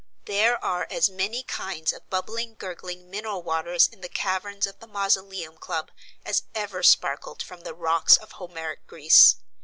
There are as many kinds of bubbling, gurgling, mineral waters in the caverns of the Mausoleum Club as ever sparkled from the rocks of Homeric Greece.